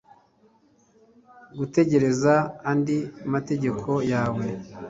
Gutegereza andi mategeko yawe